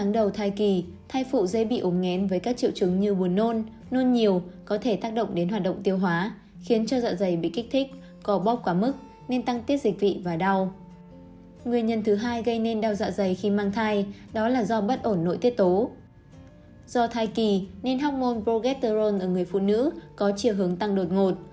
nguyên hóc môn progesterone ở người phụ nữ có chiều hướng tăng đột ngột